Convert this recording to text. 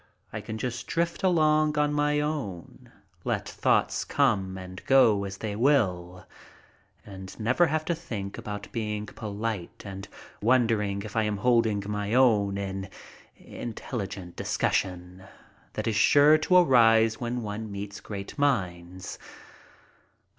I can just drift along on my own, let thoughts come and go as they will, and never have to think about being polite and wondering if I am holding my own in intelligent discussion that is sure to arise when one meets great minds.